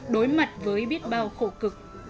đối mặt với biết bao khổ cực